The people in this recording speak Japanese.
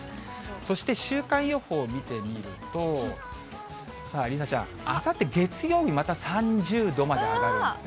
そして週間予報見てみると、さあ、梨紗ちゃん、あさって月曜日、また３０度まで上がるんですね。